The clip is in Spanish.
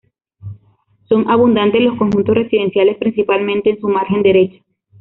Son abundantes los conjuntos residenciales, principalmente en su margen derecha.